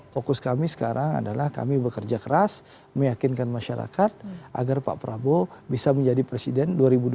fokus kami sekarang adalah kami bekerja keras meyakinkan masyarakat agar pak prabowo bisa menjadi presiden dua ribu dua puluh